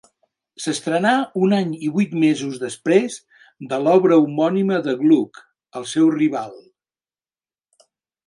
S'estrenà un any i vuit mesos després de l'obra homònima de Gluck, el seu rival.